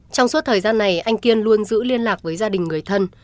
trong suốt thời gian này anh kiên luôn giữ liên lạc với gia đình người thân